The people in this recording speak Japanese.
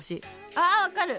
あ分かる！